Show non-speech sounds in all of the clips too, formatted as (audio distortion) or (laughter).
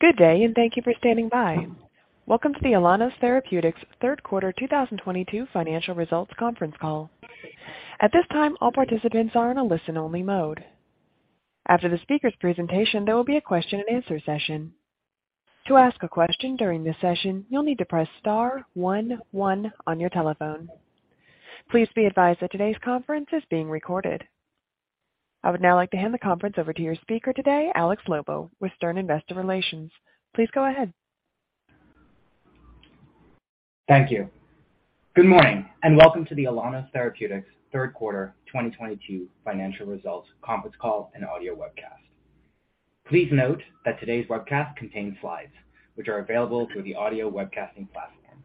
Good day, and thank you for standing by. Welcome to the Alaunos Therapeutics Third Quarter 2022 Financial Results Conference Call. At this time, all participants are in a listen-only mode. After the speaker's presentation, there will be a question-and-answer session. To ask a question during this session, you'll need to press star one one on your telephone. Please be advised that today's conference is being recorded. I would now like to hand the conference over to your speaker today, Alex Lobo, with Stern Investor Relations. Please go ahead. Thank you. Good morning, and welcome to the Alaunos Therapeutics Third Quarter 2022 Financial Results Conference Call and Audio Webcast. Please note that today's webcast contains slides which are available through the audio webcasting platform.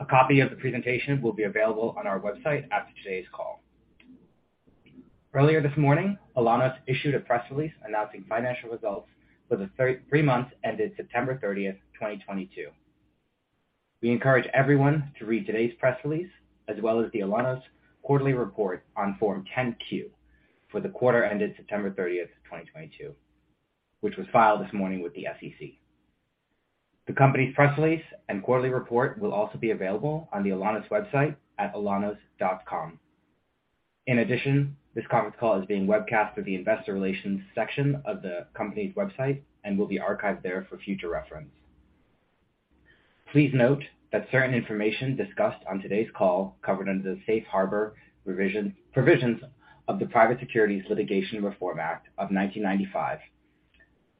A copy of the presentation will be available on our website after today's call. Earlier this morning, Alaunos issued a press release announcing financial results for the three months ended September 30, 2022. We encourage everyone to read today's press release, as well as the Alaunos quarterly report on Form 10-Q for the quarter ended September 30, 2022, which was filed this morning with the SEC. The company's press release and quarterly report will also be available on the Alaunos website at alaunos.com. In addition, this conference call is being webcast through the investor relations section of the company's website and will be archived there for future reference. Please note that certain information discussed on today's call is covered under the safe harbor provisions of the Private Securities Litigation Reform Act of 1995.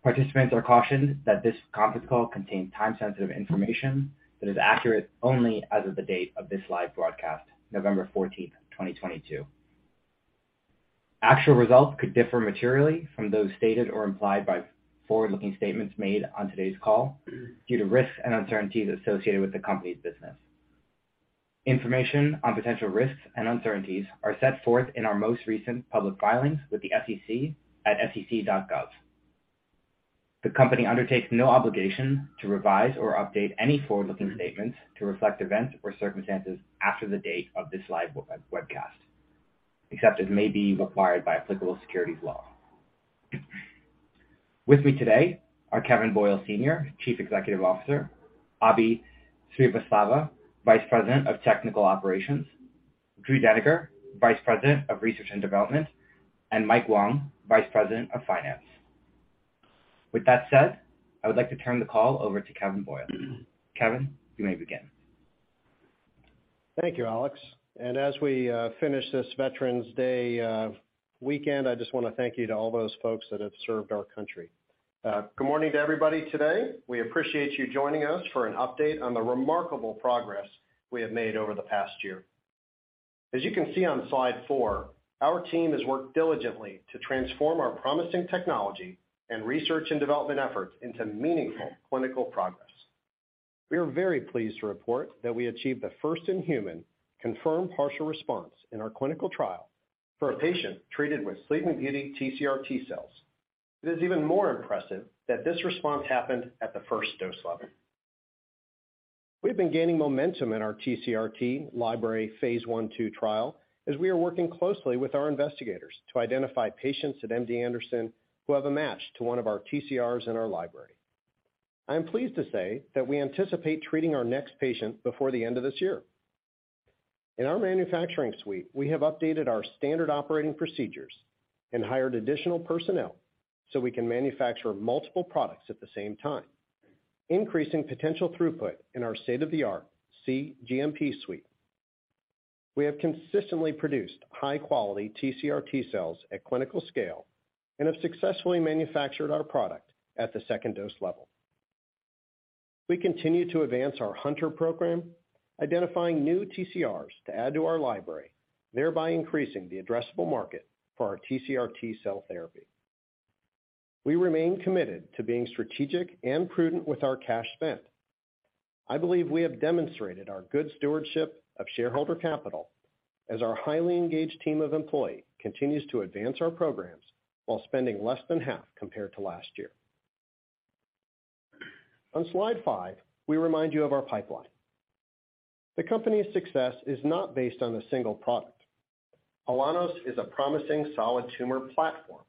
Participants are cautioned that this conference call contains time-sensitive information that is accurate only as of the date of this live broadcast, November 14, 2022. Actual results could differ materially from those stated or implied by forward-looking statements made on today's call due to risks and uncertainties associated with the company's business. Information on potential risks and uncertainties is set forth in our most recent public filings with the SEC at sec.gov. The company undertakes no obligation to revise or update any forward-looking statements to reflect events or circumstances after the date of this live webcast, except as may be required by applicable securities law. With me today are Kevin S. Boyle, Sr., Chief Executive Officer, Abhishek Srivastava, Vice President of Technical Operations, Drew Deniger, Vice President of Research and Development, and Michael Wong, Vice President of Finance. With that said, I would like to turn the call over to Kevin S. Boyle, Sr. Kevin S. Boyle, Sr., you may begin. Thank you, Alex. As we finish this Veterans Day weekend, I just wanna thank you to all those folks that have served our country. Good morning to everybody today. We appreciate you joining us for an update on the remarkable progress we have made over the past year. As you can see on slide four, our team has worked diligently to transform our promising technology and research and development efforts into meaningful clinical progress. We are very pleased to report that we achieved the first in human confirmed partial response in our clinical trial for a patient treated with Sleeping Beauty TCR-T cells. It is even more impressive that this response happened at the first dose level. We've been gaining momentum in our TCR-T library phase I and II trial as we are working closely with our investigators to identify patients at MD Anderson who have a match to one of our TCRs in our library. I'm pleased to say that we anticipate treating our next patient before the end of this year. In our manufacturing suite, we have updated our standard operating procedures and hired additional personnel so we can manufacture multiple products at the same time, increasing potential throughput in our state-of-the-art cGMP suite. We have consistently produced high-quality TCR-T cells at clinical scale and have successfully manufactured our product at the second dose level. We continue to advance our hunTR program, identifying new TCRs to add to our library, thereby increasing the addressable market for our TCR-T cell therapy. We remain committed to being strategic and prudent with our cash spend. I believe we have demonstrated our good stewardship of shareholder capital as our highly engaged team of employees continues to advance our programs while spending less than half compared to last year. On slide five, we remind you of our pipeline. The company's success is not based on a single product. Alaunos is a promising solid tumor platform.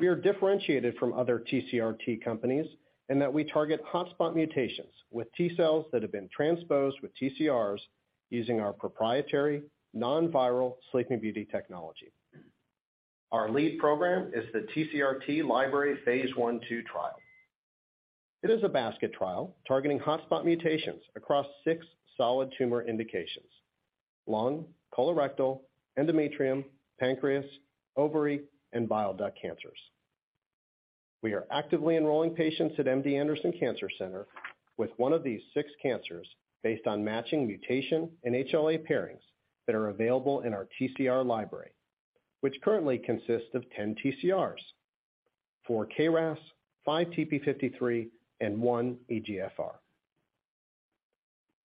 We are differentiated from other TCR-T companies in that we target hotspot mutations with T cells that have been transposed with TCRs using our proprietary non-viral Sleeping Beauty technology. Our lead program is the TCR-T library phase I and II trial. It is a basket trial targeting hotspot mutations across six solid tumor indications, lung, colorectal, endometrium, pancreas, ovary, and bile duct cancers. We are actively enrolling patients at The University of Texas MD Anderson Cancer Center with one of these six cancers based on matching mutation and HLA pairings that are available in our TCR library, which currently consists of 10 TCRs, four KRAS, five TP53, and one EGFR.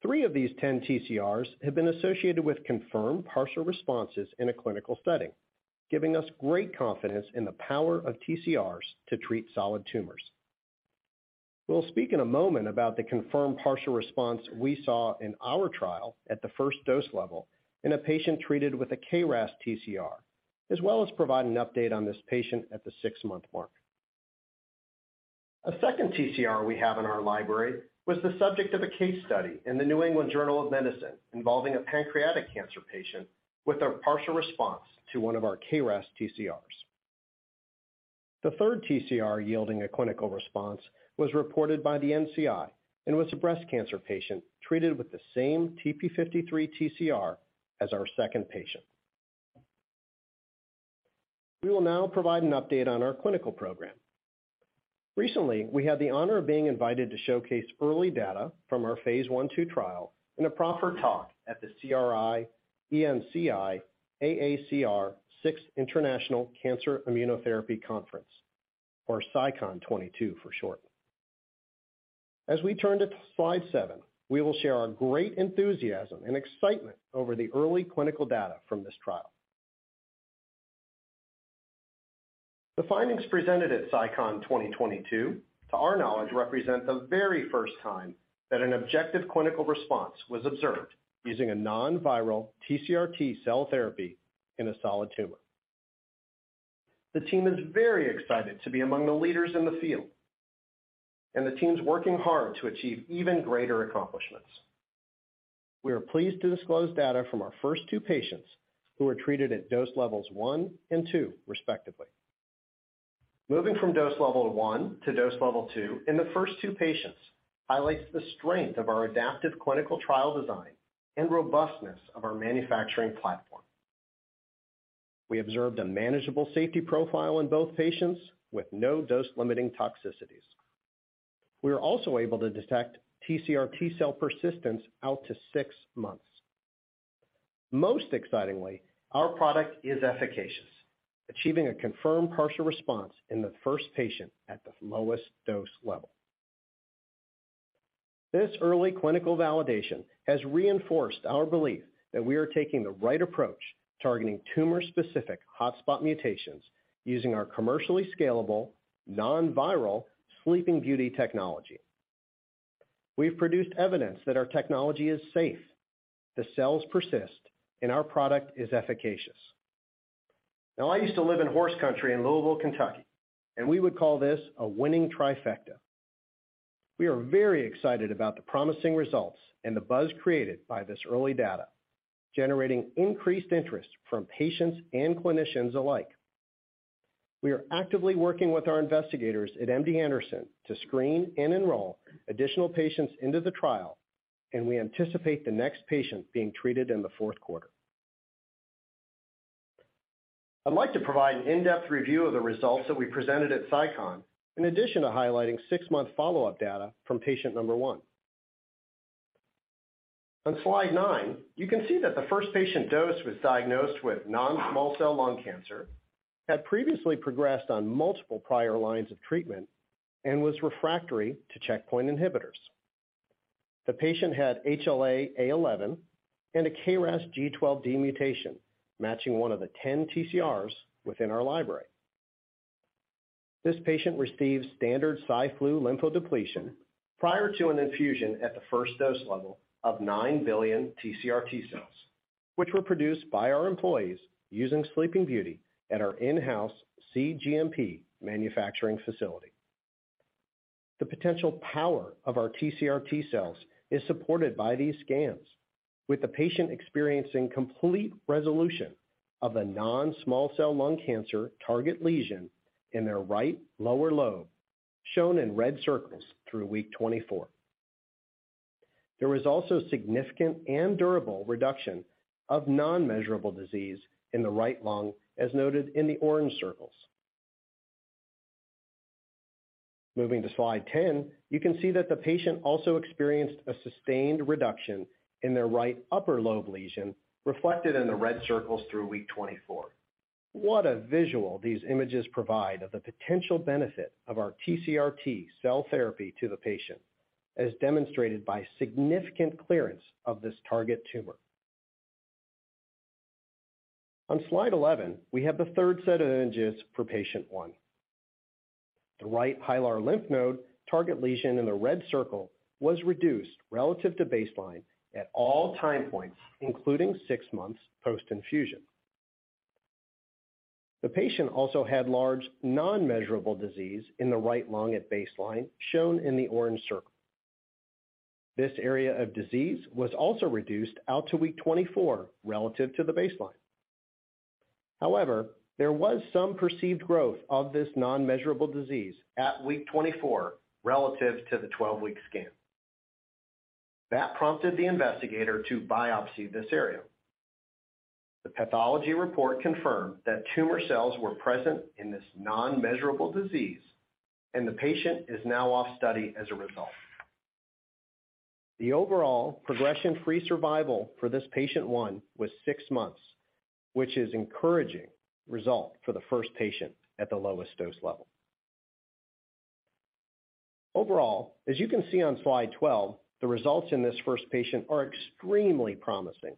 Three of these 10 TCRs have been associated with confirmed partial responses in a clinical setting, giving us great confidence in the power of TCRs to treat solid tumors. We'll speak in a moment about the confirmed partial response we saw in our trial at the first dose level in a patient treated with a KRAS TCR, as well as provide an update on this patient at the 6-month mark. A second TCR we have in our library was the subject of a case study in The New England Journal of Medicine involving a pancreatic cancer patient with a partial response to one of our KRAS TCRs. The third TCR yielding a clinical response was reported by the NCI and was a breast cancer patient treated with the same TP53 TCR as our second patient. We will now provide an update on our clinical program. Recently, we had the honor of being invited to showcase early data from our phase I and II trial in a proper talk at the CRI-ENCI-AACR Sixth International Cancer Immunotherapy Conference, or CICON 2022 for short. As we turn to slide seven, we will share our great enthusiasm and excitement over the early clinical data from this trial. The findings presented at CICON 2022, to our knowledge, represent the very first time that an objective clinical response was observed using a non-viral TCR-T cell therapy in a solid tumor. The team is very excited to be among the leaders in the field, and the team's working hard to achieve even greater accomplishments. We are pleased to disclose data from our first two patients who were treated at dose levels one and two, respectively. Moving from dose level one to dose level two in the first two patients highlights the strength of our adaptive clinical trial design and robustness of our manufacturing platform. We observed a manageable safety profile in both patients with no dose-limiting toxicities. We were also able to detect TCR-T cell persistence out to 6 months. Most excitingly, our product is efficacious, achieving a confirmed partial response in the first patient at the lowest dose level. This early clinical validation has reinforced our belief that we are taking the right approach, targeting tumor-specific hotspot mutations using our commercially scalable non-viral Sleeping Beauty technology. We've produced evidence that our technology is safe, the cells persist, and our product is efficacious. Now, I used to live in horse country in Louisville, Kentucky, and we would call this a winning trifecta. We are very excited about the promising results and the buzz created by this early data, generating increased interest from patients and clinicians alike. We are actively working with our investigators at MD Anderson to screen and enroll additional patients into the trial, and we anticipate the next patient being treated in the fourth quarter. I'd like to provide an in-depth review of the results that we presented at SITC in addition to highlighting six-month follow-up data from patient number one. On slide nine, you can see that the first patient dosed was diagnosed with non-small cell lung cancer, had previously progressed on multiple prior lines of treatment, and was refractory to checkpoint inhibitors. The patient had HLA-A*11 and a KRAS G12D mutation, matching one of the 10 TCRs within our library. This patient received standard cy/flu lymphodepletion prior to an infusion at the first dose level of 9 billion TCR-T cells, which were produced by our employees using Sleeping Beauty at our in-house cGMP manufacturing facility. The potential power of our TCR-T cells is supported by these scans, with the patient experiencing complete resolution of a non-small cell lung cancer target lesion in their right lower lobe, shown in red circles through week 24. There was also significant and durable reduction of non-measurable disease in the right lung, as noted in the orange circles. Moving to slide 10, you can see that the patient also experienced a sustained reduction in their right upper lobe lesion, reflected in the red circles through week 24. What a visual these images provide of the potential benefit of our TCR-T cell therapy to the patient, as demonstrated by significant clearance of this target tumor. On slide 11, we have the third set of images for patient one. The right hilar lymph node target lesion in the red circle was reduced relative to baseline at all time points, including 6 months post-infusion. The patient also had large non-measurable disease in the right lung at baseline, shown in the orange circle. This area of disease was also reduced out to week 24 relative to the baseline. However, there was some perceived growth of this non-measurable disease at week 24 relative to the 12-week scan. That prompted the investigator to biopsy this area. The pathology report confirmed that tumor cells were present in this non-measurable disease, and the patient is now off study as a result. The overall progression-free survival for this patient one was 6 months, which is encouraging result for the first patient at the lowest dose level. Overall, as you can see on slide 12, the results in this first patient are extremely promising.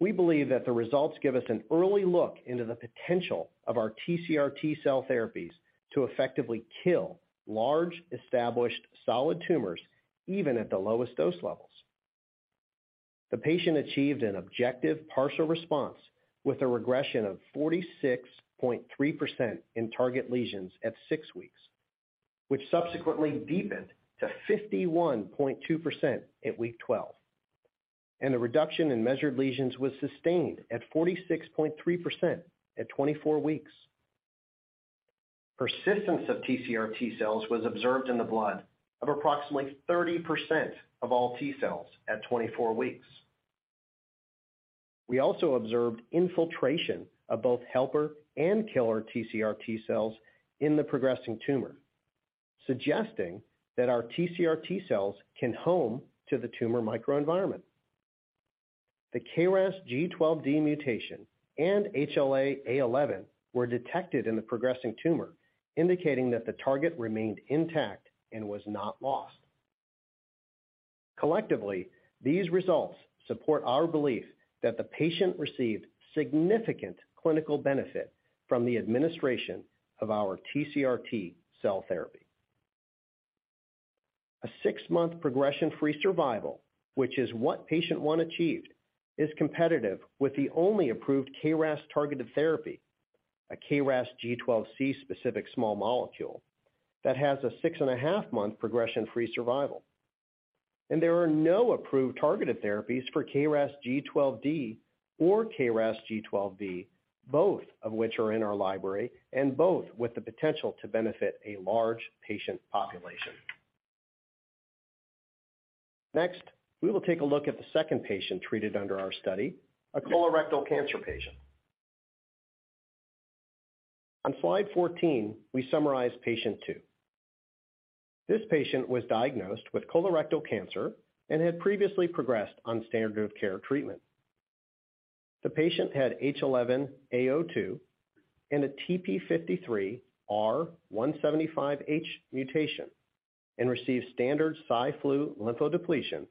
We believe that the results give us an early look into the potential of our TCR-T cell therapies to effectively kill large established solid tumors, even at the lowest dose levels. The patient achieved an objective partial response with a regression of 46.3% in target lesions at 6 weeks, which subsequently deepened to 51.2% at week 12. The reduction in measured lesions was sustained at 46.3% at 24 weeks. Persistence of TCR-T cells was observed in the blood of approximately 30% of all T cells at 24 weeks. We also observed infiltration of both helper and killer TCR-T cells in the progressing tumor, suggesting that our TCR-T cells can home to the tumor microenvironment. The KRAS G12D mutation and HLA-A*11 were detected in the progressing tumor, indicating that the target remained intact and was not lost. Collectively, these results support our belief that the patient received significant clinical benefit from the administration of our TCR-T cell therapy. A 6-month progression-free survival, which is what patient 1 achieved, is competitive with the only approved KRAS targeted therapy, a KRAS G12C specific small molecule that has a 6.5-month progression-free survival. There are no approved targeted therapies for KRAS G12D or KRAS G12V, both of which are in our library and both with the potential to benefit a large patient population. Next, we will take a look at the second patient treated under our study, a colorectal cancer patient. On slide 14, we summarize patient two. This patient was diagnosed with colorectal cancer and had previously progressed on standard of care treatment. The patient had HLA-A*11 and HLA-A*02 and a TP53-R175H mutation and received standard cy/flu lymphodepletion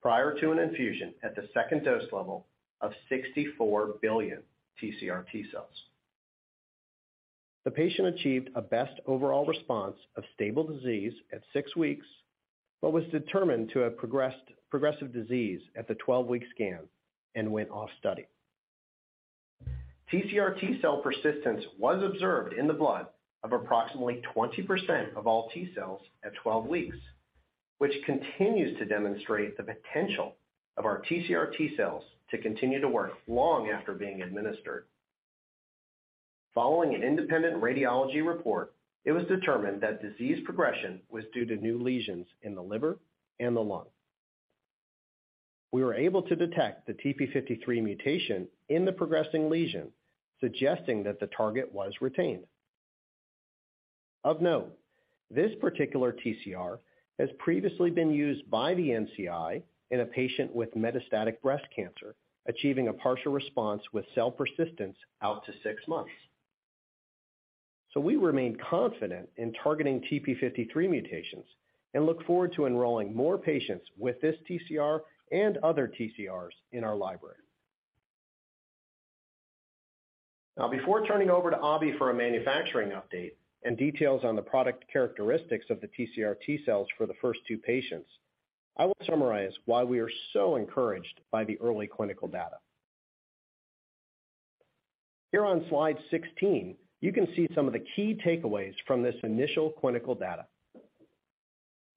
prior to an infusion at the second dose level of 64 billion TCR-T cells. The patient achieved a best overall response of stable disease at 6 weeks, but was determined to have progressive disease at the 12-week scan and went off study. TCR-T cell persistence was observed in the blood of approximately 20% of all T cells at 12 weeks, which continues to demonstrate the potential of our TCR-T cells to continue to work long after being administered. Following an independent radiology report, it was determined that disease progression was due to new lesions in the liver and the lung. We were able to detect the TP53 mutation in the progressing lesion, suggesting that the target was retained. Of note, this particular TCR has previously been used by the NCI in a patient with metastatic breast cancer, achieving a partial response with cell persistence out to 6 months. We remain confident in targeting TP53 mutations and look forward to enrolling more patients with this TCR and other TCRs in our library. Now before turning over to Abhi for a manufacturing update and details on the product characteristics of the TCR-T cells for the first two patients, I will summarize why we are so encouraged by the early clinical data. Here on slide 16, you can see some of the key takeaways from this initial clinical data.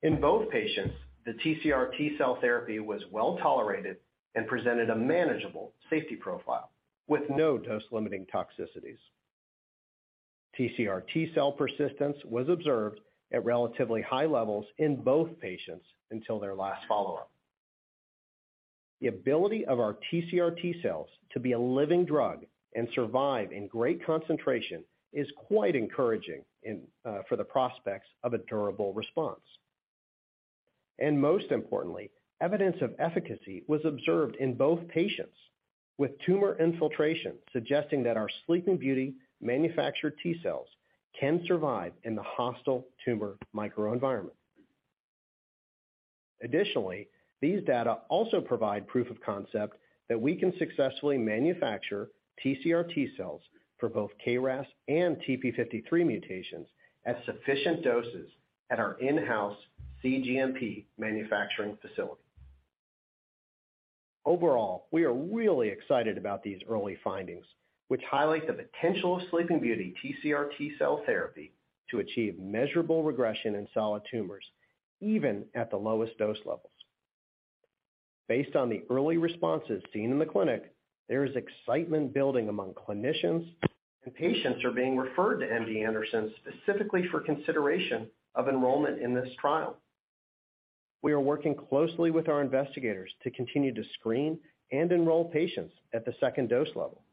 In both patients, the TCR-T cell therapy was well-tolerated and presented a manageable safety profile with no dose-limiting toxicities. TCR-T cell persistence was observed at relatively high levels in both patients until their last follow-up. The ability of our TCR-T cells to be a living drug and survive in great concentration is quite encouraging in, for the prospects of a durable response. Most importantly, evidence of efficacy was observed in both patients with tumor infiltration suggesting that our Sleeping Beauty manufactured T cells can survive in the hostile tumor microenvironment. Additionally, these data also provide proof of concept that we can successfully manufacture TCR-T cells for both KRAS and TP53 mutations at sufficient doses at our in-house cGMP manufacturing facility. Overall, we are really excited about these early findings, which highlight the potential of Sleeping Beauty TCR-T cell therapy to achieve measurable regression in solid tumors, even at the lowest dose levels. Based on the early responses seen in the clinic, there is excitement building among clinicians, and patients are being referred to MD Anderson specifically for consideration of enrollment in this trial. We are working closely with our investigators to continue to screen and enroll patients at the second dose level.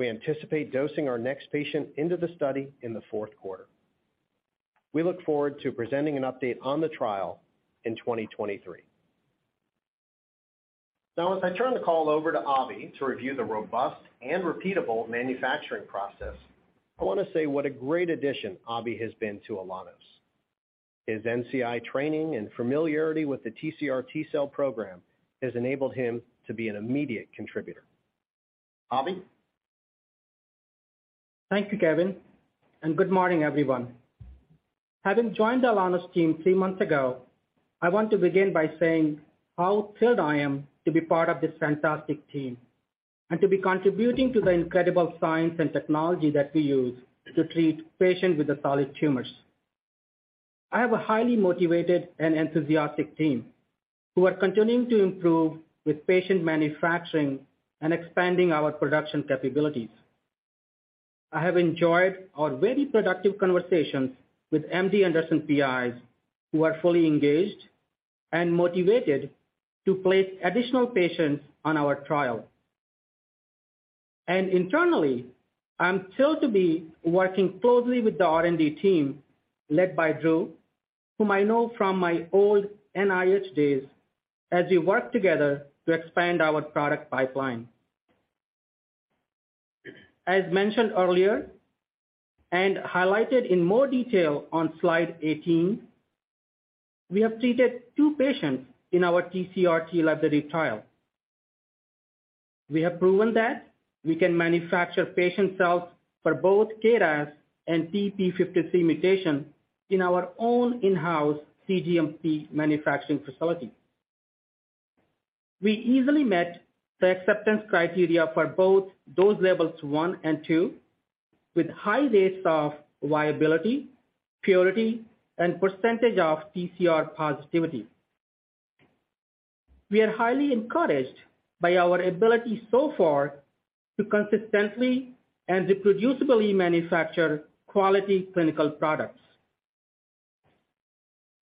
We anticipate dosing our next patient into the study in the fourth quarter. We look forward to presenting an update on the trial in 2023. Now, as I turn the call over to Abhi to review the robust and repeatable manufacturing process, I want to say what a great addition Abhi has been to Alaunos. His NCI training and familiarity with the TCR-T cell program has enabled him to be an immediate contributor. Abhi? Thank you, Kevin, and good morning, everyone. Having joined the Alaunos team three months ago, I want to begin by saying how thrilled I am to be part of this fantastic team and to be contributing to the incredible science and technology that we use to treat patients with the solid tumors. I have a highly motivated and enthusiastic team who are continuing to improve with patient manufacturing and expanding our production capabilities. I have enjoyed our very productive conversations with MD Anderson PIs, who are fully engaged and motivated to place additional patients on our trial. Internally, I'm thrilled to be working closely with the R&D team, led by Drew, whom I know from my old NIH days, as we work together to expand our product pipeline. As mentioned earlier, and highlighted in more detail on slide 18, we have treated two patients in our TCR-T library trial. We have proven that we can manufacture patient cells for both KRAS and TP53 mutations in our own in-house cGMP manufacturing facility. We easily met the acceptance criteria for both dose levels one and two with high rates of viability, purity, and percentage of TCR positivity. We are highly encouraged by our ability so far to consistently and reproducibly manufacture quality clinical products.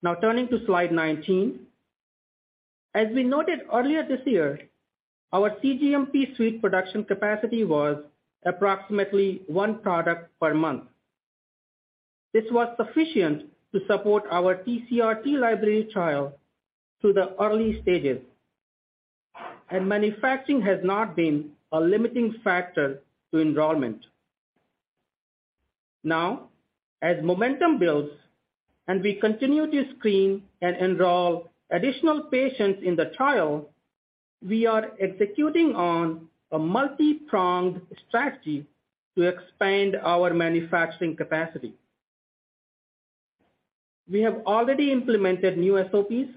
Now turning to slide 19. As we noted earlier this year, our cGMP suite production capacity was approximately one product per month. This was sufficient to support our TCR-T library trial through the early stages, and manufacturing has not been a limiting factor to enrollment. Now, as momentum builds and we continue to screen and enroll additional patients in the trial, we are executing on a multipronged strategy to expand our manufacturing capacity. We have already implemented new SOPs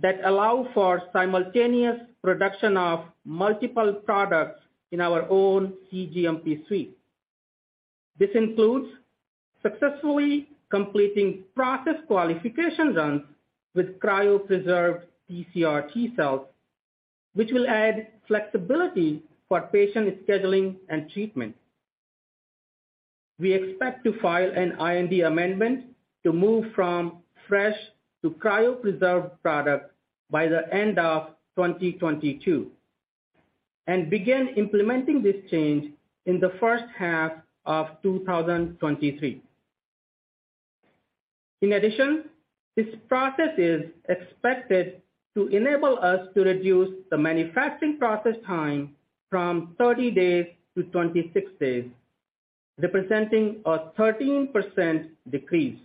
that allow for simultaneous production of multiple products in our own cGMP suite. This includes successfully completing process qualification runs with cryopreserved TCR-T cells, which will add flexibility for patient scheduling and treatment. We expect to file an IND amendment to move from fresh to cryopreserved product by the end of 2022 and begin implementing this change in the first half of 2023. In addition, this process is expected to enable us to reduce the manufacturing process time from 30 days to 26 days, representing a 13% decrease.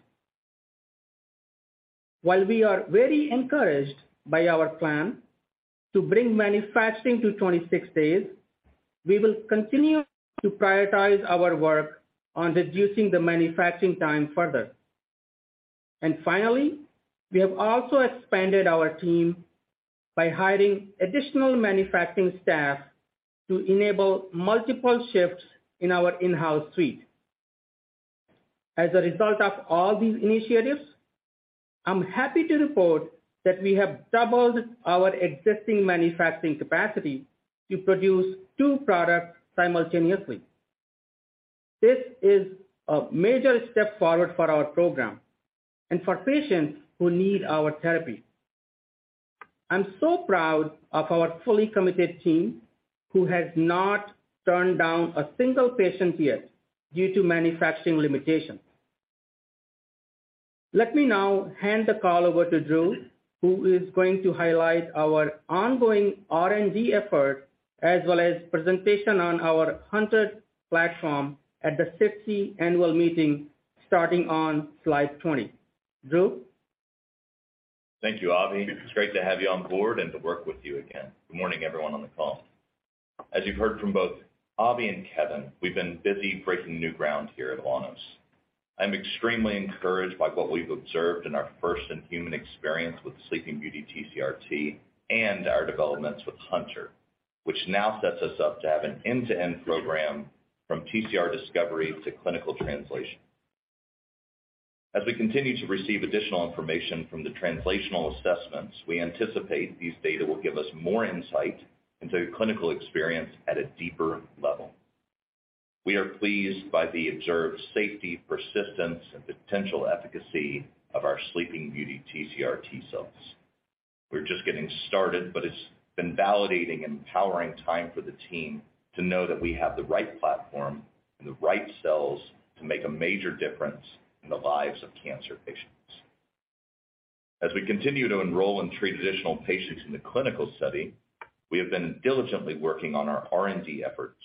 While we are very encouraged by our plan to bring manufacturing to 26 days, we will continue to prioritize our work on reducing the manufacturing time further. Finally, we have also expanded our team by hiring additional manufacturing staff to enable multiple shifts in our in-house suite. As a result of all these initiatives, I'm happy to report that we have doubled our existing manufacturing capacity to produce two products simultaneously. This is a major step forward for our program and for patients who need our therapy. I'm so proud of our fully committed team, who has not turned down a single patient yet due to manufacturing limitations. Let me now hand the call over to Drew, who is going to highlight our ongoing R&D efforts as well as presentation on our hunTR platform at the SITC annual meeting starting on slide 20. Drew? Thank you, Abhi. It's great to have you on board and to work with you again. Good morning, everyone on the call. As you've heard from both Abhi and Kevin, we've been busy breaking new ground here at Alaunos. I'm extremely encouraged by what we've observed in our first-in-human experience with Sleeping Beauty TCR-T and our developments with hunTR, which now sets us up to have an end-to-end program from TCR discovery to clinical translation. As we continue to receive additional information from the translational assessments, we anticipate these data will give us more insight into clinical experience at a deeper level. We are pleased by the observed safety, persistence, and potential efficacy of our Sleeping Beauty TCR-T cells. We're just getting started, but it's been validating and empowering time for the team to know that we have the right platform and the right cells to make a major difference in the lives of cancer patients. As we continue to enroll and treat additional patients in the clinical study, we have been diligently working on our R&D efforts,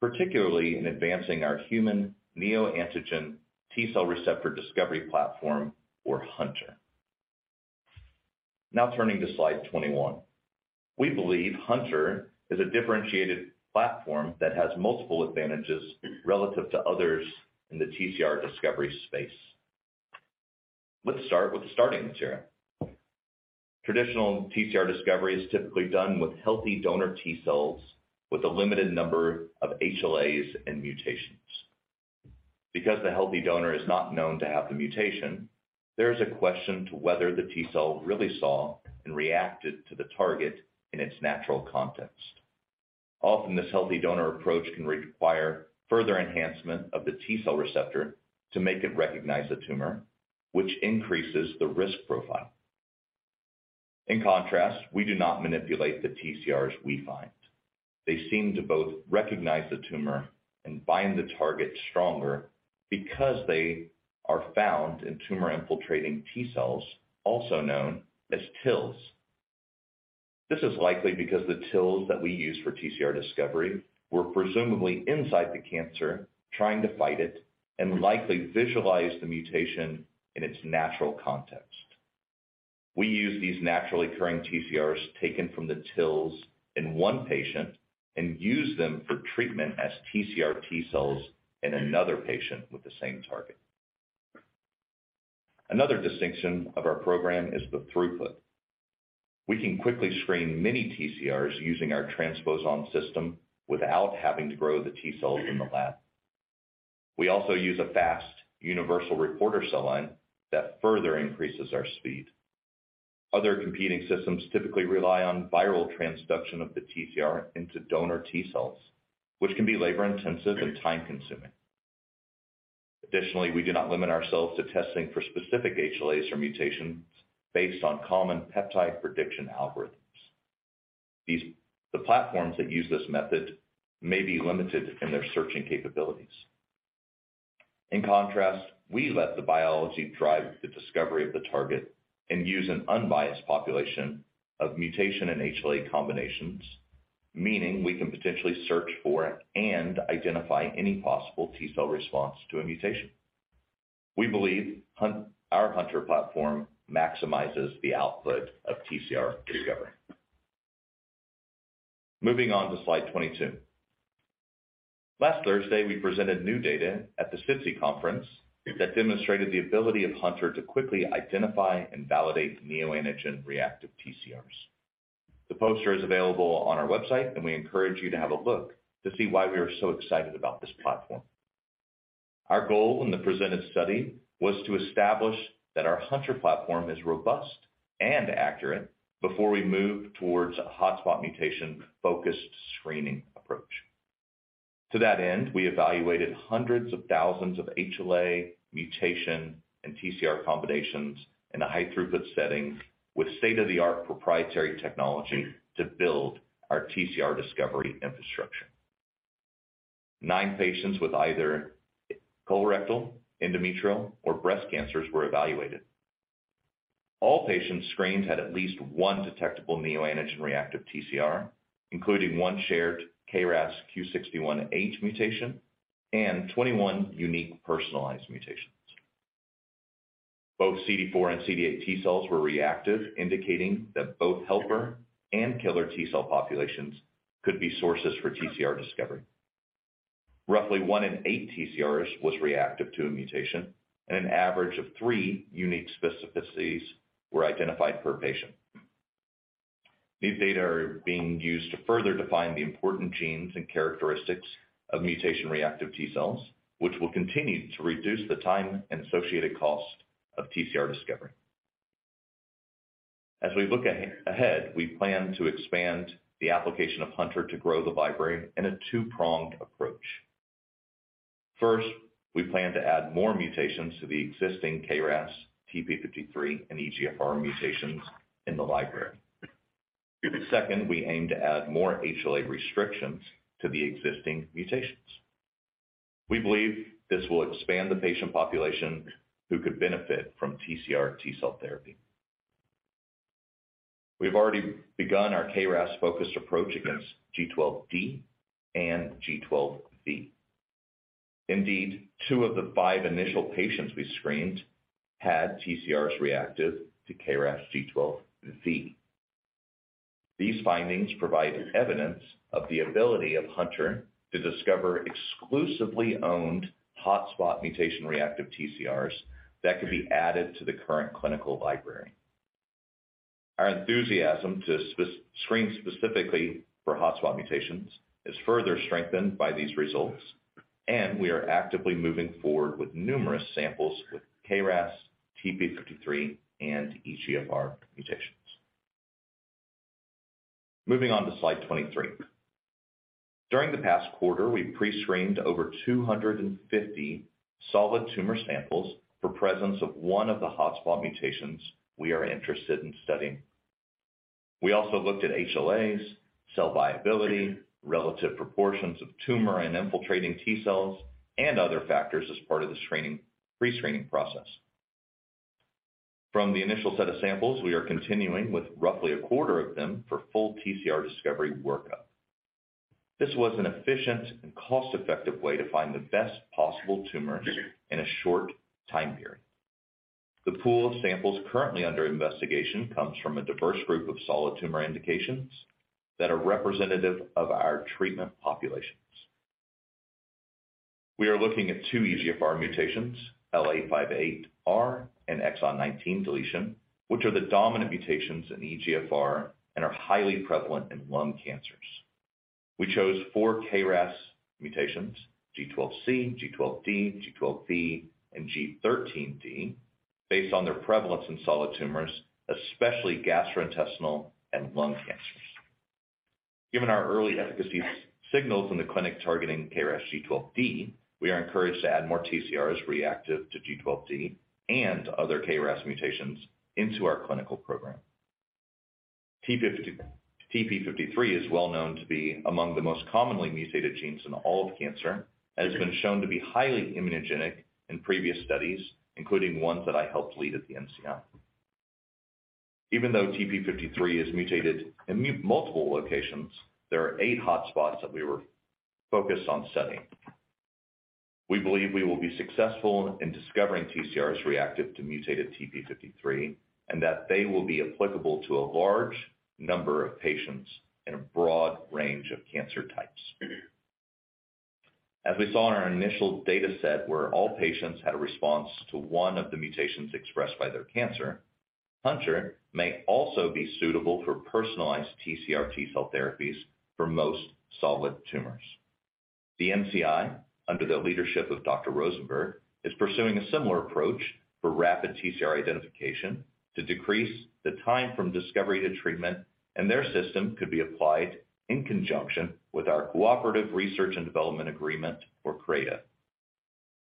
particularly in advancing our Human Neoantigen T Cell Receptor Discovery platform, or hunTR. Now turning to slide 21. We believe hunTR is a differentiated platform that has multiple advantages relative to others in the TCR discovery space. Let's start with the starting material. Traditional TCR discovery is typically done with healthy donor T cells with a limited number of HLAs and mutations. Because the healthy donor is not known to have the mutation, there is a question to whether the T cell really saw and reacted to the target in its natural context. Often, this healthy donor approach can require further enhancement of the T cell receptor to make it recognize a tumor, which increases the risk profile. In contrast, we do not manipulate the TCRs we find. They seem to both recognize the tumor and bind the target stronger because they are found in tumor-infiltrating T cells, also known as TILs. This is likely because the TILs that we use for TCR discovery were presumably inside the cancer trying to fight it and likely visualize the mutation in its natural context. We use these naturally occurring TCRs taken from the TILs in one patient and use them for treatment as TCR-T cells in another patient with the same target. Another distinction of our program is the throughput. We can quickly screen many TCRs using our transposon system without having to grow the T cells in the lab. We also use a fast universal reporter cell line that further increases our speed. Other competing systems typically rely on viral transduction of the TCR into donor T cells, which can be labor-intensive and time-consuming. Additionally, we do not limit ourselves to testing for specific HLAs or mutations based on common peptide prediction algorithms. These platforms that use this method may be limited in their searching capabilities. In contrast, we let the biology drive the discovery of the target and use an unbiased population of mutation and HLA combinations, meaning we can potentially search for and identify any possible T cell response to a mutation. We believe our hunTR platform maximizes the output of TCR discovery. Moving on to slide 22. Last Thursday, we presented new data at the SITC conference that demonstrated the ability of hunTR to quickly identify and validate neoantigen-reactive TCRs. The poster is available on our website, and we encourage you to have a look to see why we are so excited about this platform. Our goal in the presented study was to establish that our hunTR platform is robust and accurate before we move towards a hotspot mutation-focused screening approach. To that end, we evaluated hundreds of thousands of HLA mutation and TCR combinations in a high-throughput setting with state-of-the-art proprietary technology to build our TCR discovery infrastructure. Nine patients with either colorectal, endometrial, or breast cancers were evaluated. All patients screened had at least one detectable neoantigen-reactive TCR, including one shared KRAS Q61H mutation and 21 unique personalized mutations. Both CD4 and CD8 T cells were reactive, indicating that both helper and killer T cell populations could be sources for TCR discovery. Roughly one in eight TCRs was reactive to a mutation, and an average of three unique specificities were identified per patient. These data are being used to further define the important genes and characteristics of mutation-reactive T cells, which will continue to reduce the time and associated cost of TCR discovery. As we look ahead, we plan to expand the application of hunTR to grow the library in a two-pronged approach. First, we plan to add more mutations to the existing KRAS, TP53, and EGFR mutations in the library. Second, we aim to add more HLA restrictions to the existing mutations. We believe this will expand the patient population who could benefit from TCR-T cell therapy. We've already begun our KRAS-focused approach against G12D and G12V. Indeed, two of the five initial patients we screened had TCRs reactive to KRAS G12V. These findings provide evidence of the ability of hunTR to discover exclusively owned hotspot mutation-reactive TCRs that could be added to the current clinical library. Our enthusiasm to screen specifically for hotspot mutations is further strengthened by these results, and we are actively moving forward with numerous samples with KRAS, TP53, and EGFR mutations. Moving on to slide 23. During the past quarter, we prescreened over 250 solid tumor samples for presence of one of the hotspot mutations we are interested in studying. We also looked at HLAs, cell viability, relative proportions of tumor and infiltrating T cells, and other factors as part of the screening, pre-screening process. From the initial set of samples, we are continuing with roughly a quarter of them for full TCR discovery workup. This was an efficient and cost-effective way to find the best possible tumors in a short time period. The pool of samples currently under investigation comes from a diverse group of solid tumor indications that are representative of our treatment populations. We are looking at two EGFR mutations, L858R and exon 19 deletion, which are the dominant mutations in EGFR and are highly prevalent in lung cancers. We chose four KRAS mutations, G12C, G12D, G12V, and G13D based on their prevalence in solid tumors, especially gastrointestinal and lung cancers. Given our early efficacy signals in the clinic targeting KRAS G12D, we are encouraged to add more TCRs reactive to G12D and other KRAS mutations into our clinical program. TP53 is well known to be among the most commonly mutated genes in all of cancer, and has been shown to be highly immunogenic in previous studies, including ones that I helped lead at the NCI. Even though TP53 is mutated in multiple locations, there are eight hotspots that we were focused on studying. We believe we will be successful in discovering TCRs reactive to mutated TP53, and that they will be applicable to a large number of patients in a broad range of cancer types. As we saw in our initial data set where all patients had a response to one of the mutations expressed by their cancer, hunTR may also be suitable for personalized TCR-T cell therapies for most solid tumors. The NCI, under the leadership of Dr. Rosenberg is pursuing a similar approach for rapid TCR identification to decrease the time from discovery to treatment, and their system could be applied in conjunction with our Cooperative Research and Development Agreement, or CRADA.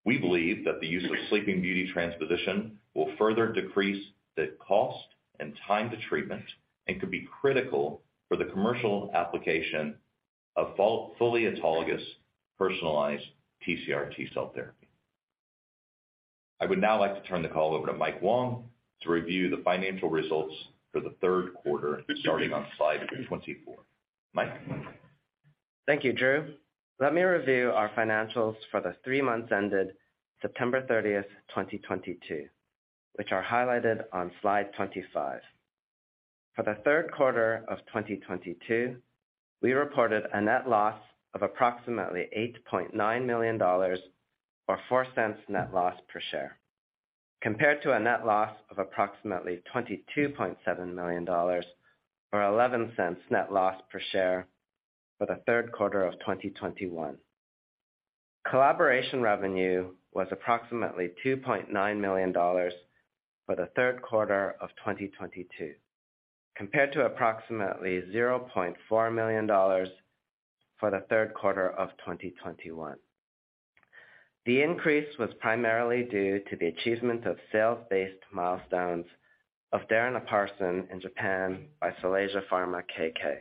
We believe that the use of Sleeping Beauty transposition will further decrease the cost and time to treatment, and could be critical for the commercial application of fully autologous personalized TCR-T cell therapy. I would now like to turn the call over to Mike Wong to review the financial results for the third quarter, starting on slide 24. Mike? Thank you, Drew. Let me review our financials for the three months ended September 30, 2022, which are highlighted on slide 25. For the third quarter of 2022, we reported a net loss of approximately $8.9 million, or $0.04 net loss per share, compared to a net loss of approximately $22.7 million, or $0.11 net loss per share for the third quarter of 2021. Collaboration revenue was approximately $2.9 million for the third quarter of 2022, compared to approximately $0.4 million for the third quarter of 2021. The increase was primarily due to the achievement of sales-based milestones of darinaparsin in Japan by Solasia Pharma K.K.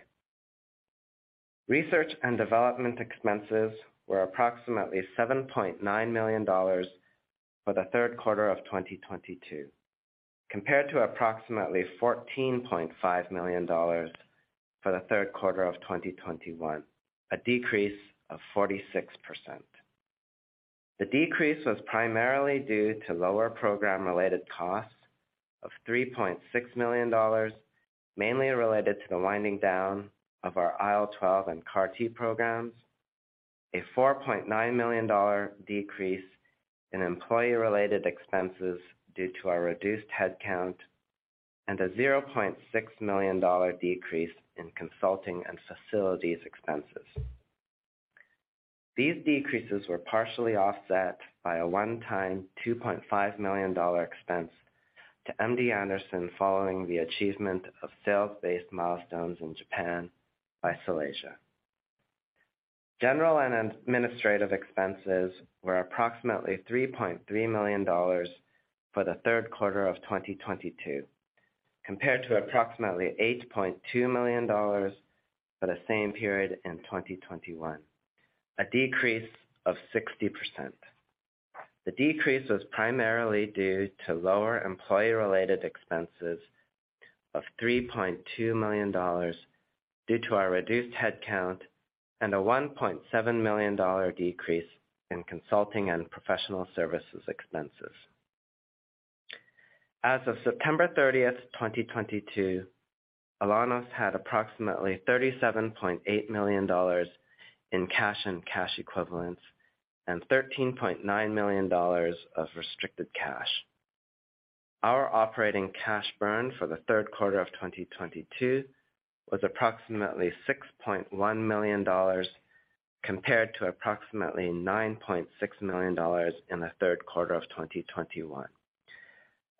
Research and development expenses were approximately $7.9 million for the third quarter of 2022, compared to approximately $14.5 million for the third quarter of 2021, a decrease of 46%. The decrease was primarily due to lower program-related costs of $3.6 million, mainly related to the winding down of our IL-12 and CAR-T programs, a $4.9 million dollar decrease in employee-related expenses due to our reduced headcount, and a $0.6 million dollar decrease in consulting and facilities expenses. These decreases were partially offset by a one-time $2.5 million dollar expense to MD Anderson following the achievement of sales-based milestones in Japan by Solasia. General and administrative expenses were approximately $3.3 million for the third quarter of 2022, compared to approximately $8.2 million for the same period in 2021, a decrease of 60%. The decrease was primarily due to lower employee-related expenses of $3.2 million due to our reduced headcount, and a $1.7 million decrease in consulting and professional services expenses. As of September 30, 2022, Alaunos had approximately $37.8 million in cash and cash equivalents and $13.9 million of restricted cash. Our operating cash burn for the third quarter of 2022 was approximately $6.1 million compared to approximately $9.6 million in the third quarter of 2021,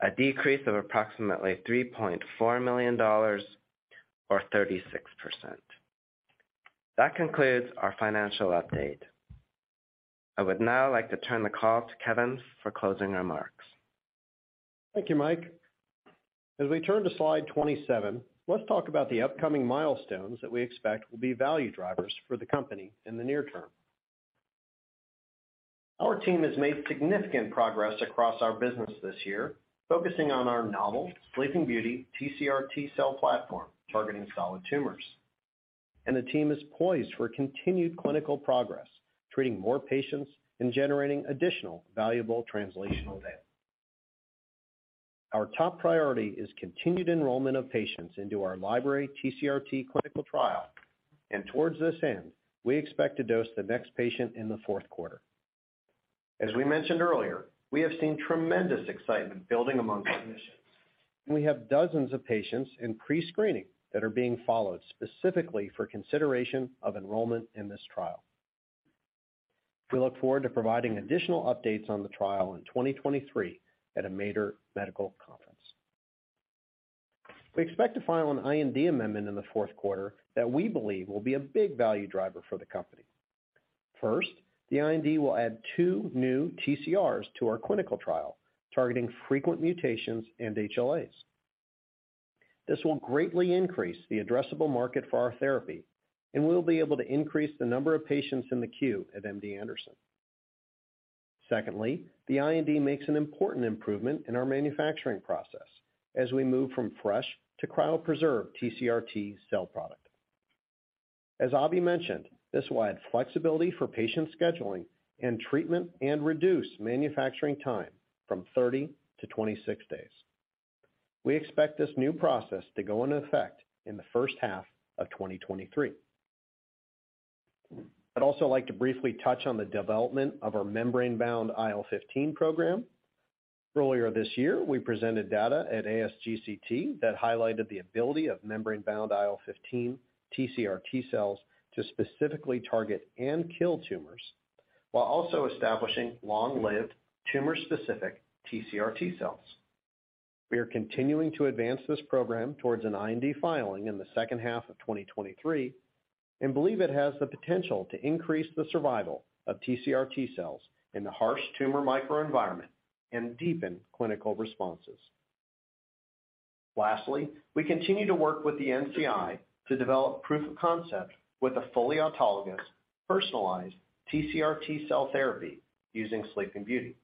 a decrease of approximately $3.4 million or 36%. That concludes our financial update. I would now like to turn the call to Kevin for closing remarks. Thank you, Mike. As we turn to slide 27, let's talk about the upcoming milestones that we expect will be value drivers for the company in the near term. Our team has made significant progress across our business this year, focusing on our novel Sleeping Beauty TCR-T cell platform targeting solid tumors, and the team is poised for continued clinical progress, treating more patients and generating additional valuable translational data. Our top priority is continued enrollment of patients into our library TCR-T clinical trial, and towards this end, we expect to dose the next patient in the fourth quarter. As we mentioned earlier, we have seen tremendous excitement building among clinicians. We have dozens of patients in pre-screening that are being followed specifically for consideration of enrollment in this trial. We look forward to providing additional updates on the trial in 2023 at a major medical conference. We expect to file an IND amendment in the fourth quarter that we believe will be a big value driver for the company. First, the IND will add two new TCRs to our clinical trial, targeting frequent mutations and HLAs. This will greatly increase the addressable market for our therapy, and we'll be able to increase the number of patients in the queue at MD Anderson. Secondly, the IND makes an important improvement in our manufacturing process as we move from fresh to cryopreserved TCR-T cell product. As Abhi mentioned, this will add flexibility for patient scheduling and treatment, and reduce manufacturing time from 30 to 26 days. We expect this new process to go into effect in the first half of 2023. I'd also like to briefly touch on the development of our membrane-bound IL-15 program. Earlier this year, we presented data at ASGCT that highlighted the ability of membrane-bound IL-15 TCR-T cells to specifically target and kill tumors while also establishing long-lived tumor-specific TCR-T cells. We are continuing to advance this program towards an IND filing in the second half of 2023 and believe it has the potential to increase the survival of TCR-T cells in the harsh tumor microenvironment and deepen clinical responses. Lastly, we continue to work with the NCI to develop proof of concept with a fully autologous, personalized TCR-T cell therapy using Sleeping Beauty.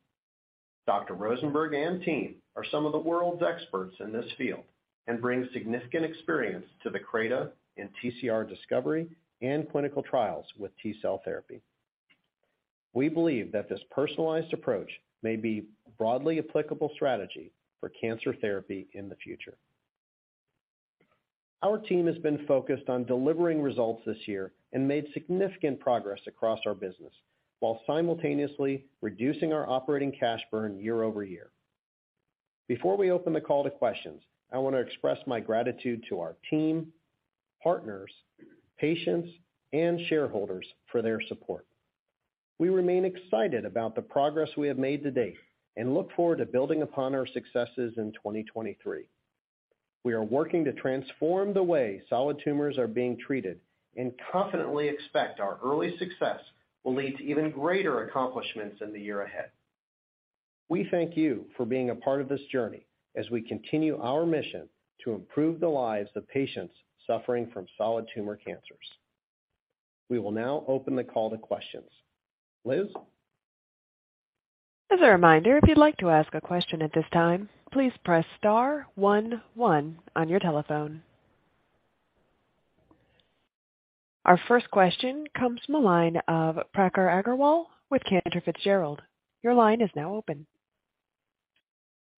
Dr. Rosenberg and team are some of the world's experts in this field and bring significant experience to the CRADA in TCR discovery and clinical trials with T cell therapy. We believe that this personalized approach may be a broadly applicable strategy for cancer therapy in the future. Our team has been focused on delivering results this year and made significant progress across our business while simultaneously reducing our operating cash burn year-over-year. Before we open the call to questions, I want to express my gratitude to our team, partners, patients, and shareholders for their support. We remain excited about the progress we have made to date and look forward to building upon our successes in 2023. We are working to transform the way solid tumors are being treated and confidently expect our early success will lead to even greater accomplishments in the year ahead. We thank you for being a part of this journey as we continue our mission to improve the lives of patients suffering from solid tumor cancers. We will now open the call to questions. Liz? As a reminder, if you'd like to ask a question at this time, please press star one one on your telephone. Our first question comes from the line of Prakhar Agarwal with Cantor Fitzgerald. Your line is now open.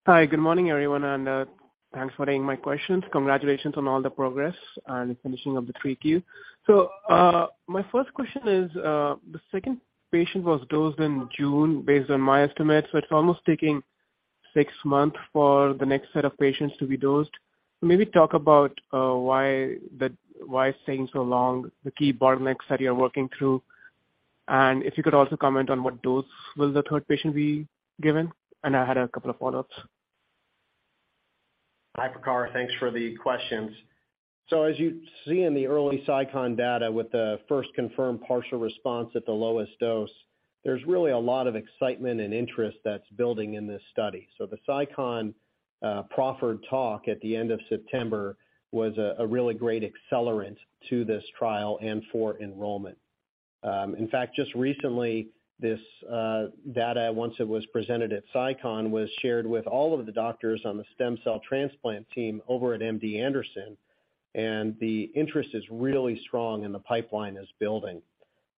Hi. Good morning, everyone, and thanks for taking my questions. Congratulations on all the progress and finishing of the Q3. My first question is, the second patient was dosed in June, based on my estimate, so it's almost taking six months for the next set of patients to be dosed. Maybe talk about why it's taking so long, the key bottlenecks that you are working through. And if you could also comment on what dose will the third patient be given. And I had a couple of follow-ups. Hi, Prakhar. Thanks for the questions. As you see in the early SITC data with the first confirmed partial response at the lowest dose, there's really a lot of excitement and interest that's building in this study. The SITC proffered talk at the end of September was a really great accelerant to this trial and for enrollment. In fact, just recently this data, once it was presented at SITC, was shared with all of the doctors on the stem cell transplant team over at MD Anderson, and the interest is really strong and the pipeline is building.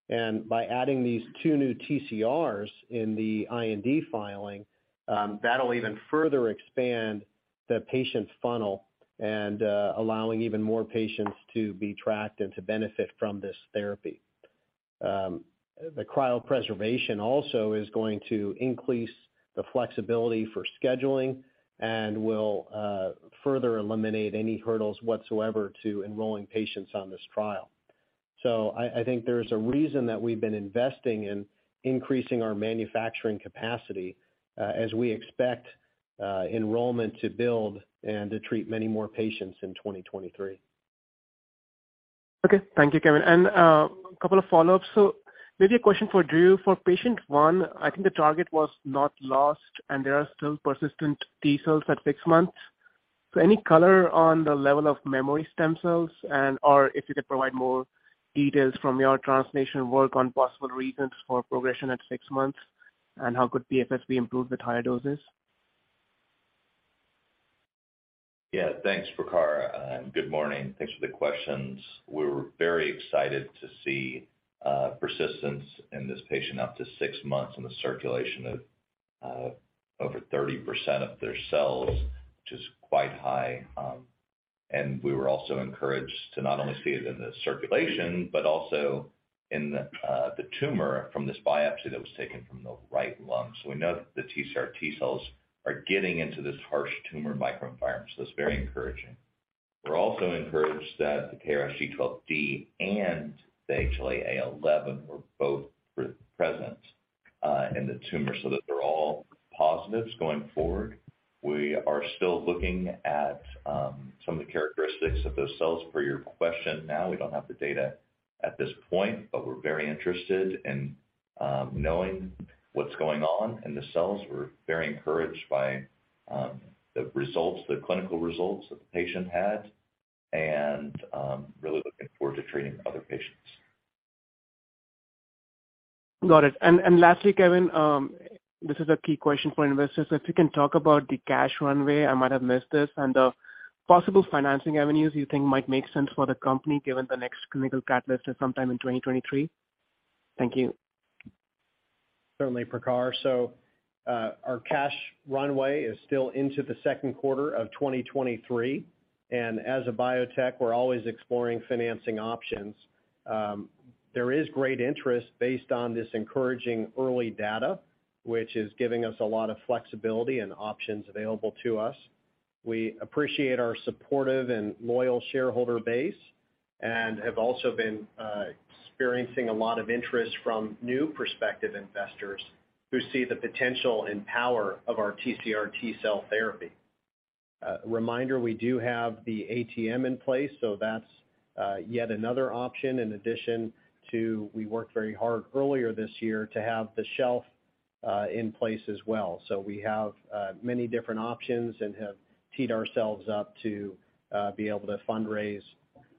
By adding these two new TCRs in the IND filing, that'll even further expand the patients funnel and allowing even more patients to be tracked and to benefit from this therapy. The cryopreservation also is going to increase the flexibility for scheduling and will further eliminate any hurdles whatsoever to enrolling patients on this trial. I think there's a reason that we've been investing in increasing our manufacturing capacity, as we expect enrollment to build and to treat many more patients in 2023. Okay. Thank you, Kevin. Couple of follow-ups. Maybe a question for Drew. For patient one, I think the target was not lost and there are still persistent T cells at six months. Any color on the level of memory stem cells and/or if you could provide more details from your translation work on possible reasons for progression at six months, and how could PFS be improved with higher doses? Yeah. Thanks, Prakhar, and good morning. Thanks for the questions. We're very excited to see persistence in this patient up to 6 months in the circulation of over 30% of their cells, which is quite high. We were also encouraged to not only see it in the circulation, but also in the tumor from this biopsy that was taken from the right lung. We know that the TCR-T cells are getting into this harsh tumor microenvironment, so it's very encouraging. We're also encouraged that the KRAS G12D and the HLA-A11 were both present in the tumor so that they're all positives going forward. We are still looking at some of the characteristics of those cells per your question. Now, we don't have the data at this point, but we're very interested in knowing what's going on in the cells. We're very encouraged by the results, the clinical results that the patient had, and really looking forward to treating other patients. Got it. Lastly, Kevin, this is a key question for investors. If you can talk about the cash runway, I might have missed this, and the possible financing avenues you think might make sense for the company given the next clinical catalyst is sometime in 2023. Thank you. Certainly, Prakhar. Our cash runway is still into the second quarter of 2023, and as a biotech, we're always exploring financing options. There is great interest based on this encouraging early data, which is giving us a lot of flexibility and options available to us. We appreciate our supportive and loyal shareholder base and have also been experiencing a lot of interest from new prospective investors who see the potential and power of our TCR-T cell therapy. Reminder, we do have the ATM in place, so that's yet another option in addition to we worked very hard earlier this year to have the shelf in place as well. We have many different options and have teed ourselves up to be able to fundraise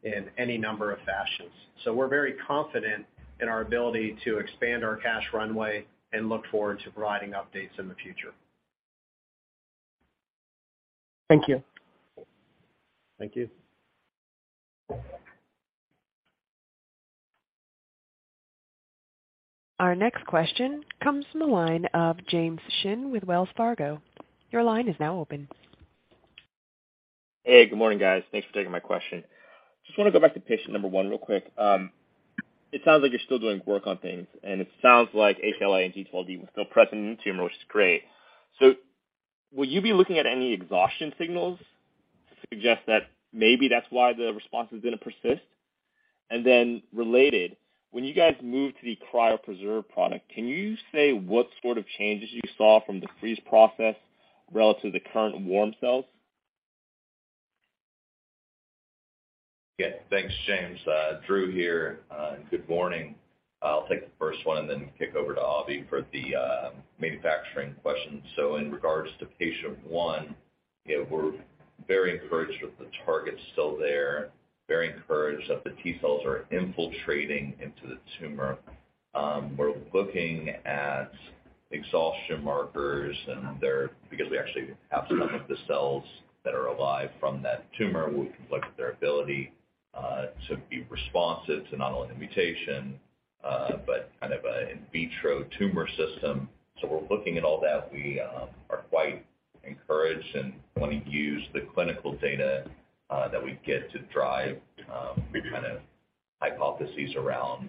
in any number of fashions. We're very confident in our ability to expand our cash runway and look forward to providing updates in the future. Thank you. Thank you. Our next question comes from the line of James Shin with Wells Fargo. Your line is now open. Hey, good morning, guys. Thanks for taking my question. Just wanna go back to patient number one real quick. It sounds like you're still doing work on things, and it sounds like HLA and G12V was still present in the tumor, which is great. Will you be looking at any exhaustion signals to suggest that maybe that's why the response is gonna persist? Then related, when you guys move to the cryopreserved product, can you say what sort of changes you saw from the freeze process relative to the current warm cells? Yeah. Thanks, James. Drew here. Good morning. I'll take the first one and then kick over to Abhi for the manufacturing question. In regards to patient one, you know, we're very encouraged that the target's still there, very encouraged that the T cells are infiltrating into the tumor. We're looking at exhaustion markers because we actually have some of the cells that are alive from that tumor, we can look at their ability to be responsive to not only the mutation, but kind of an in vitro tumor system. We're looking at all that. We are quite encouraged and wanna use the clinical data that we get to drive kind of hypotheses around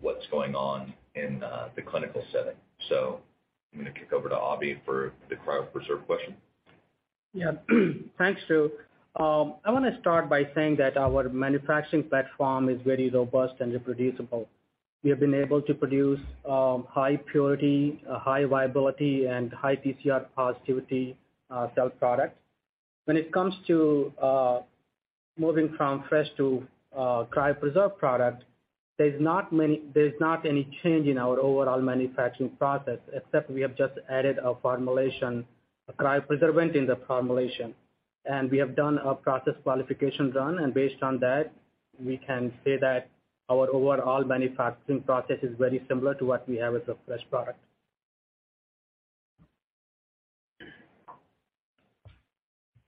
what's going on in the clinical setting. I'm gonna kick over to Abhi for the cryopreserved question. Yeah. Thanks, Drew. I wanna start by saying that our manufacturing platform is very robust and reproducible. We have been able to produce high purity, a high viability, and high TCR positivity cell product. When it comes to moving from fresh to cryopreserved product, there's not any change in our overall manufacturing process, except we have just added a formulation, a (audio distortion) in the formulation. We have done a process qualifications run, and based on that, we can say that our overall manufacturing process is very similar to what we have with the fresh product.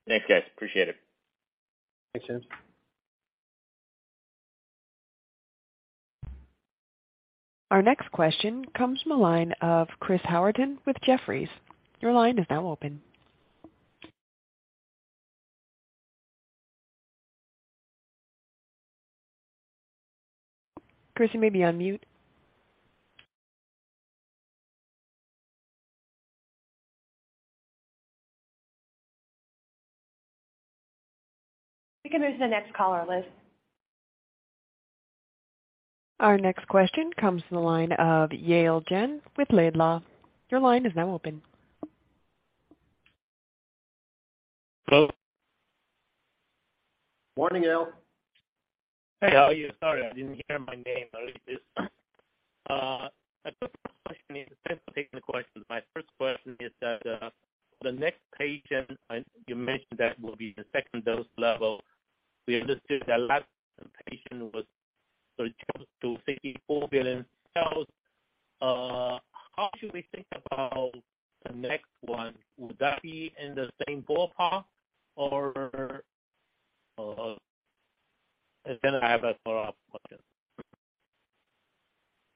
Thanks, guys. Appreciate it. Thanks, James. Our next question comes from a line of Chris Howerton with Jefferies. Your line is now open. Chris, you may be on mute. We can move to the next caller, Liz. Our next question comes from the line of Yale Jen with Laidlaw. Your line is now open. Hello. Morning, Yale. Hey, how are you? Sorry, I didn't hear my name earlier. I thought my question is, thanks for taking the question. My first question is that, the next patient, and you mentioned that will be the second dose level. We understood that last patient was so close to 64 billion cells. How should we think about the next one? Would that be in the same ballpark or... Then I have a follow-up question.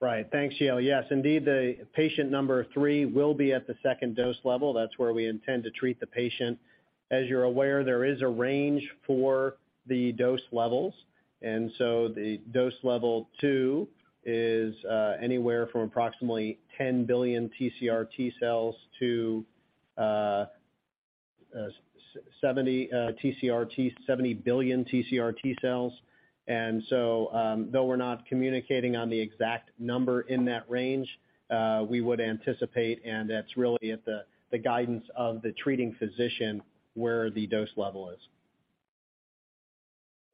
Right. Thanks, Yale. Yes, indeed, the patient number three will be at the second dose level. That's where we intend to treat the patient. As you're aware, there is a range for the dose levels, and so the dose level two is anywhere from approximately 10 billion TCR-T cells to 70 billion TCR-T cells. Though we're not communicating on the exact number in that range, we would anticipate, and that's really at the guidance of the treating physician where the dose level is.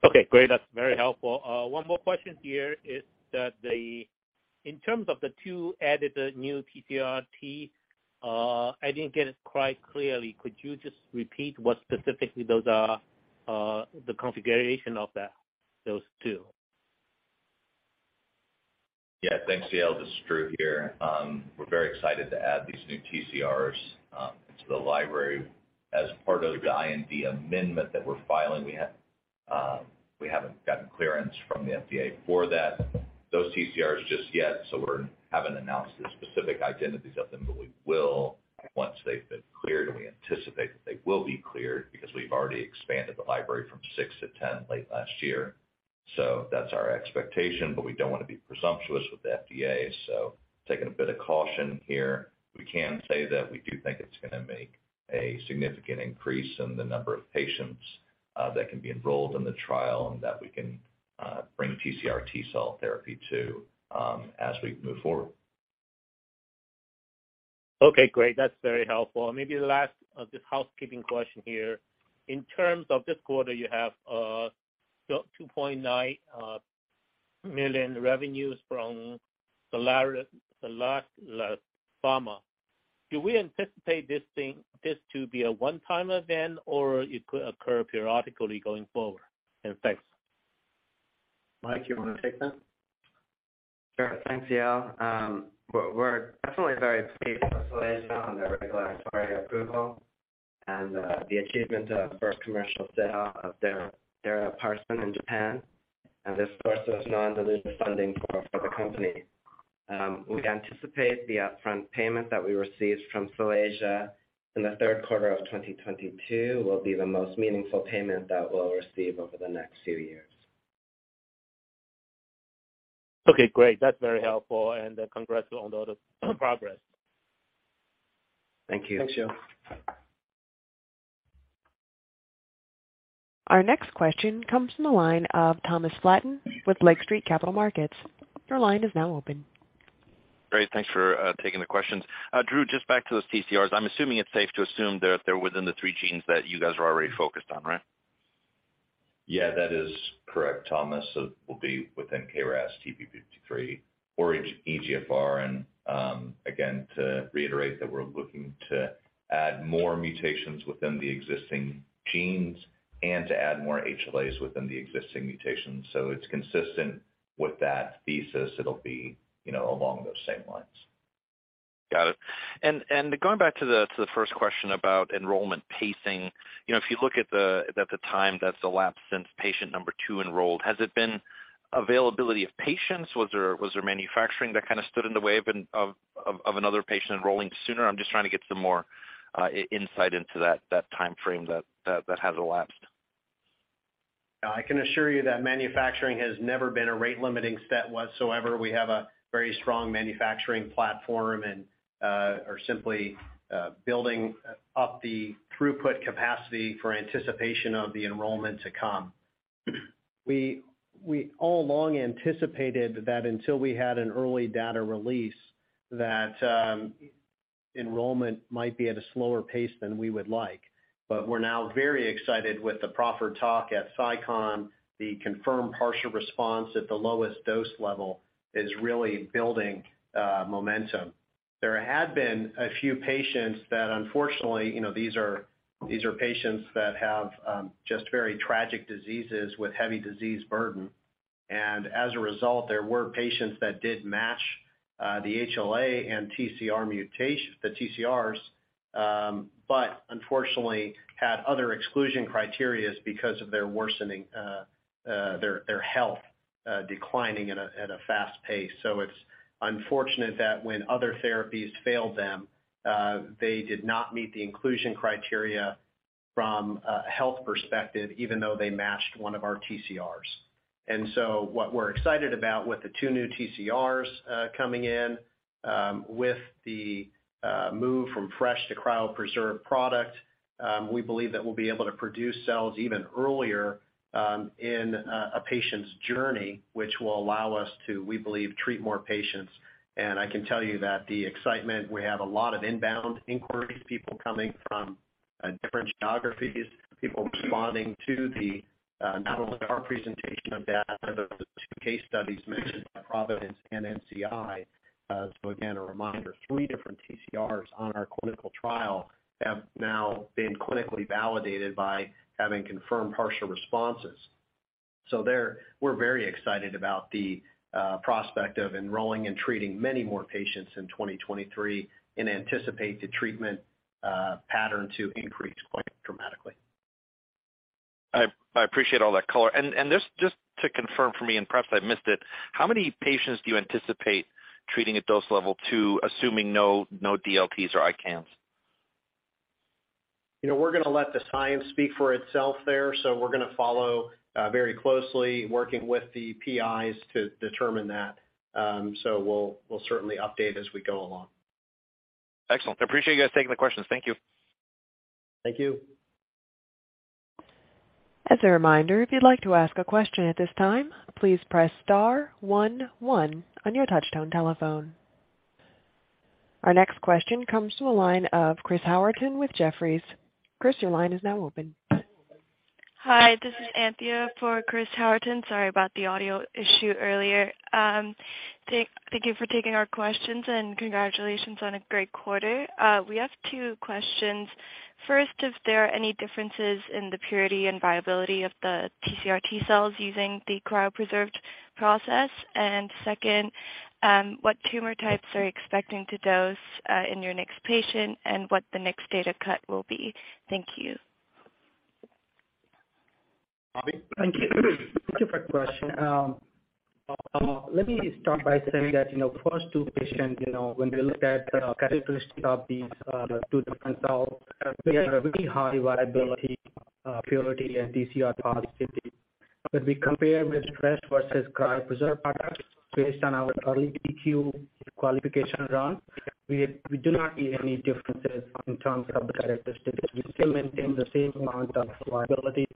Okay, great. That's very helpful. One more question here is that in terms of the two added new TCR-T, I didn't get it quite clearly. Could you just repeat what specifically those are, the configuration of that, those two? Yeah. Thanks, Yale. This is Drew here. We're very excited to add these new TCRs into the library. As part of the IND amendment that we're filing, we have we haven't gotten clearance from the FDA for that, those TCRs just yet, so we haven't announced the specific identities of them, but we will once they've been cleared, and we anticipate that they will be cleared because we've already expanded the library from six to 10 late last year. That's our expectation, but we don't wanna be presumptuous with the FDA, taking a bit of caution here. We can say that we do think it's gonna make a significant increase in the number of patients that can be enrolled in the trial and that we can bring TCR-T cell therapy to as we move forward. Okay, great. That's very helpful. Maybe the last just housekeeping question here. In terms of this quarter, you have $2.9 million revenues from Solasia Pharma. Do we anticipate this thing, this to be a one-time event or it could occur periodically going forward? Thanks. Mike, you wanna take that? Sure. Thanks, Yale. We're definitely very pleased with Solasia on their regulatory approval and the achievement of first commercial sale of their darinaparsin in Japan, and this source of non-dilutive funding for the company. We anticipate the upfront payment that we received from Solasia in the third quarter of 2022 will be the most meaningful payment that we'll receive over the next few years. Okay, great. That's very helpful, and congrats on all the progress. Thank you. Thanks, Yale. Our next question comes from the line of Thomas Slayton with Lake Street Capital Markets. Your line is now open. Great. Thanks for taking the questions. Drew, just back to those TCRs. I'm assuming it's safe to assume that they're within the three genes that you guys are already focused on, right? Yeah, that is correct, Thomas. It will be within KRAS, TP53 or EGFR. Again, to reiterate that we're looking to add more mutations within the existing genes and to add more HLAs within the existing mutations. It's consistent with that thesis. It'll be, you know, along those same lines. Got it. Going back to the first question about enrollment pacing. You know, if you look at the time that's elapsed since patient number two enrolled, has it been availability of patients? Was there manufacturing that kinda stood in the way of another patient enrolling sooner? I'm just trying to get some more insight into that timeframe that has elapsed. I can assure you that manufacturing has never been a rate-limiting step whatsoever. We have a very strong manufacturing platform and are simply building up the throughput capacity for anticipation of the enrollment to come. We all along anticipated that until we had an early data release that enrollment might be at a slower pace than we would like. We're now very excited with the proffered talk at SITC. The confirmed partial response at the lowest dose level is really building momentum. There had been a few patients that unfortunately, you know, these are patients that have just very tragic diseases with heavy disease burden. As a result, there were patients that did match the HLA and the TCRs, but unfortunately had other exclusion criteria because of their worsening their health declining at a fast pace. It's unfortunate that when other therapies failed them, they did not meet the inclusion criteria from a health perspective, even though they matched one of our TCRs. What we're excited about with the two new TCRs, with the move from fresh to cryopreserved product, we believe that we'll be able to produce cells even earlier in a patient's journey, which will allow us to, we believe, treat more patients. I can tell you that the excitement, we have a lot of inbound inquiries, people coming from different geographies, people responding to the not only our presentation of data, but of the two case studies mentioned by Providence and NCI. Again, a reminder, three different TCRs on our clinical trial have now been clinically validated by having confirmed partial responses. There, we're very excited about the prospect of enrolling and treating many more patients in 2023 and anticipate the treatment pattern to increase quite dramatically. I appreciate all that color. Just to confirm for me, and perhaps I missed it, how many patients do you anticipate treating at dose level two, assuming no DLTs or ICANS? You know, we're gonna let the science speak for itself there, so we're gonna follow very closely working with the PIs to determine that. We'll certainly update as we go along. Excellent. I appreciate you guys taking the questions. Thank you. Thank you. As a reminder, if you'd like to ask a question at this time, please press star one one on your touch-tone telephone. Our next question comes from a line of Chris Howerton with Jefferies. Chris, your line is now open. Hi, this is Anthea for Chris Howerton. Sorry about the audio issue earlier. Thank you for taking our questions, and congratulations on a great quarter. We have two questions. First, if there are any differences in the purity and viability of the TCR-T cells using the cryopreserved process? Second, what tumor types are you expecting to dose in your next patient, and what the next data cut will be? Thank you. Abhi? Thank you. Thank you for the question. Let me start by saying that, you know, first two patients, you know, when we look at the characteristics of these two different cells, they have a really high viability, purity, and TCR positivity. When we compare with fresh versus cryopreserved products, based on our early DQ qualification run, we do not see any differences in terms of the characteristics. We still maintain the same amount of viability,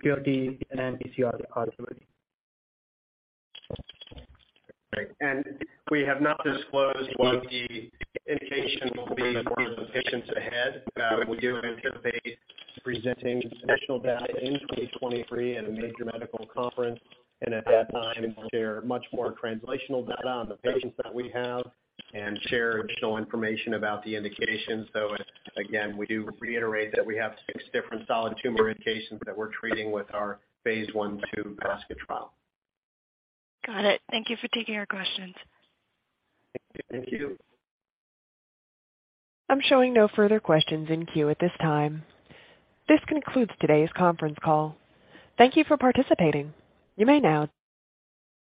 purity, and TCR positivity. Great. We have not disclosed what the indication will be for the patients ahead. We do anticipate presenting additional data in 2023 at a major medical conference. At that time, we'll share much more translational data on the patients that we have and share additional information about the indications. We do reiterate that we have six different solid tumor indications that we're treating with our phase I and I basket trial. Got it. Thank you for taking our questions. Thank you. I'm showing no further questions in queue at this time. This concludes today's conference call. Thank you for participating. You may now.